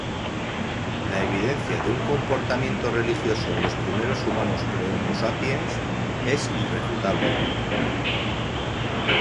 La evidencia de un comportamiento religioso en los primeros humanos pre-"Homo sapiens" es irrefutable.